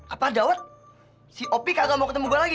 apa jawat si opi kagak mau ketemu gue lagi